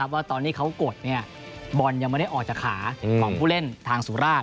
ว่าตอนที่เขากดบอลยังไม่ได้ออกจากขาของผู้เล่นทางสุราช